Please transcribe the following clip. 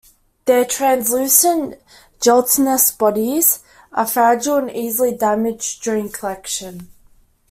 Their translucent, gelatinous bodies are fragile and easily damaged during collection.